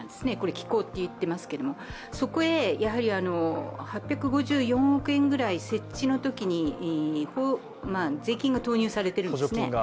機構と言ってますが、そこへ８０４億円くらい設置のときに税金が投入されているんですね。